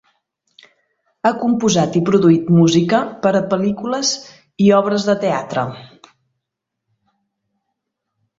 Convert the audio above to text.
Ha composat i produït música per a pel·lícules i obres de teatre.